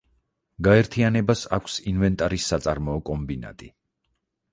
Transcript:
გაერთიანებას აქვს ინვენტარის საწარმოო კომბინატი.